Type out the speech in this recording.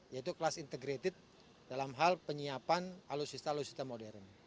yaitu kelas integrated dalam hal penyiapan alutsista alutsista modern